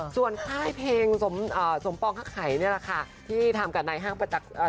ส่วนค่ายเพลงสมปองคักไข่เนี่ยแหละค่ะ